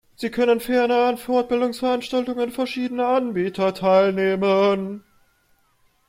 Sie können ferner an Fortbildungsveranstaltungen verschiedener Anbieter teilnehmen.